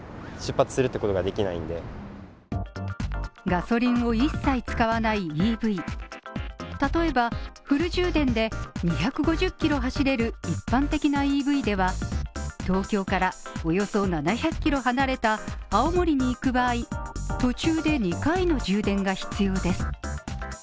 ガソリンを一切使わないＥＶ、例えば、フル充電で２５０キロ、一般的なＥＶでは、東京からおよそ７００キロ離れた青森に行く場合、途中で２回の充電が必要です。